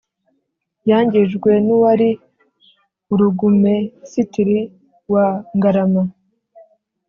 Yangijwe n uwari burugumesitiri wa ngarama